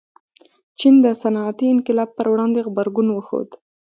چین د صنعتي انقلاب پر وړاندې غبرګون وښود.